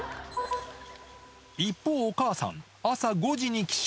一方、お母さん、朝５時に起床。